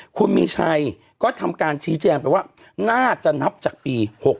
คุณมีชัยก็ทำการชี้แจงไปว่าน่าจะนับจากปี๖๖